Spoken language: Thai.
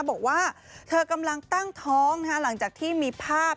บอกว่าเธอกำลังตั้งท้องหลังจากที่มีภาพ